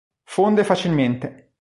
Fonde facilmente.